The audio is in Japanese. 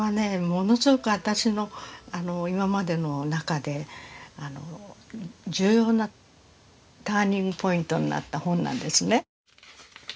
ものすごく私の今までの中で重要なターニングポイントになった本なんですね。